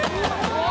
うわ！